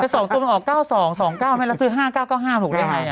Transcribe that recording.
สองตัวมันออก๙๒๒๙ไม่รับซื้อ๕๙๙๕ถูกได้ไหม